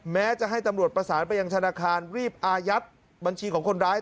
แม้จะให้ตำรวจประสานไปยังธนาคารรีบอายัดบัญชีของคนร้าย